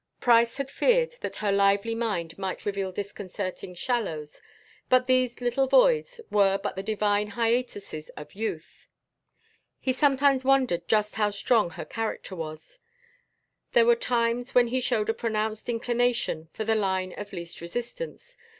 Price had feared that her lively mind might reveal disconcerting shallows, but these little voids were but the divine hiatuses of youth. He sometimes wondered just how strong her character was. There were times when she showed a pronounced inclination for the line of least resistance